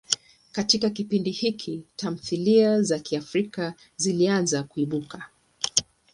Katika kipindi hiki, tamthilia za Kiafrika zilianza kuibuka.